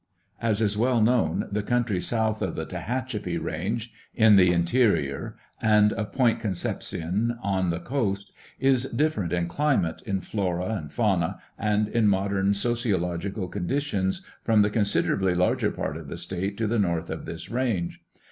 As is well known, the country south of the Tehachapi range in the interior and of Point Concepcion on the coast is different in climate, in flora and fauna, and in modern sociological conditions, from the considerably larger part of the state to the north of this range.